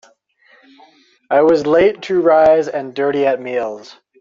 I was late to rise and dirty at meals.